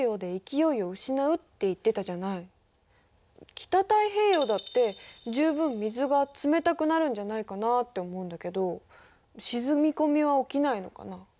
北太平洋だって十分水が冷たくなるんじゃないかなって思うんだけど沈み込みは起きないのかな？